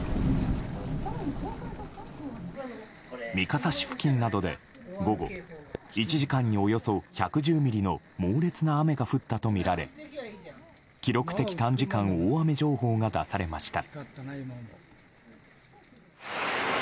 三笠市付近などで午後１時間におよそ１１０ミリの猛烈な雨が降ったとみられ記録的短時間大雨情報が出されました。